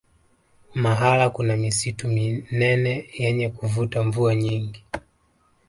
mahala kuna misitu minene yenye kuvuta mvua nyingi